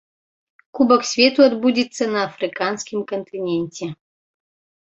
Кубак свету адбудзецца на афрыканскім кантыненце.